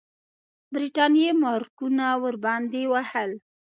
برټانیې مارکونه ورباندې وهل.